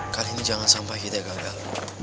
kali ini jangan sampai kita gagal